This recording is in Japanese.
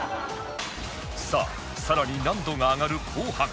さあ更に難度が上がる後半